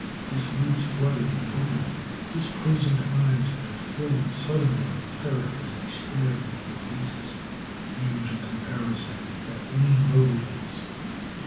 His lids fluttered and opened, disclosing eyes that filled suddenly with terror as they stared into the faces, huge in comparison, that leaned over his.